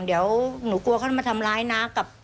เดี๋ยวหนูกลัวเขาจะมาทำร้ายนะ